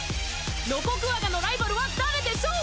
ノコクワガのライバルは誰でしょう！